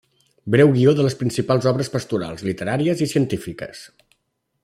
Breu guió de les principals obres pastorals, literàries i científiques.